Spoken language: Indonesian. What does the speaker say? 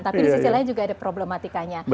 tapi di sisi lain juga ada problematikanya